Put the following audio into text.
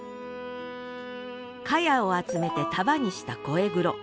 かやを集めて束にしたコエグロ。